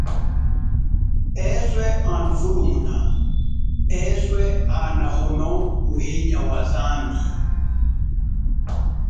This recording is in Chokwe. Eswe hana vulumuna, eswe kanahono uhenya wa zambi.